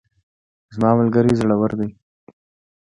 زما ملګری زړور ده